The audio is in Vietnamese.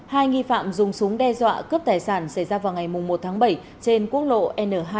hai nghi phạm dùng súng đe dọa cướp tài sản xảy ra vào ngày một tháng bảy trên quốc lộ n hai